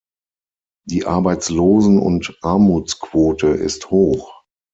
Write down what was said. Die Arbeitslosen- und Armutsquote ist hoch.